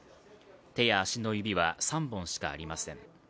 手や足の指は３本しかありません。